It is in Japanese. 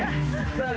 さあ